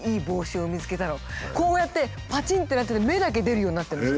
こうやってぱちんってなってて目だけ出るようになってるんです。